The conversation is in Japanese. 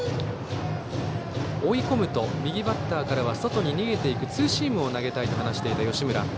追い込むと右バッターからは外に逃げていくツーシームを投げたいと話していた吉村。